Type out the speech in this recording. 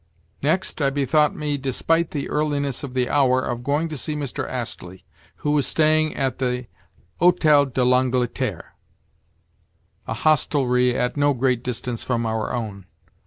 Next, I bethought me, despite the earliness of the hour, of going to see Mr. Astley, who was staying at the Hôtel de l'Angleterre (a hostelry at no great distance from our own).